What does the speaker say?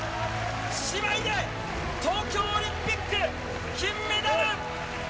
姉妹で、東京オリンピック金メダル。